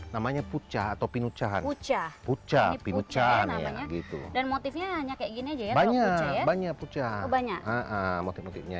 namanya pucah atau pinucahan pucah pucah pinucahan ya gitu dan motifnya hanya kayak gini aja ya banyak banyak pucah banyak